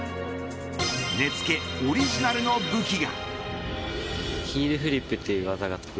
根附、オリジナルの武器が。